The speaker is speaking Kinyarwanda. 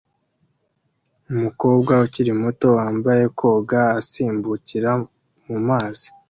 Umukobwa ukiri muto wambaye kwoga asimbukira mu mazi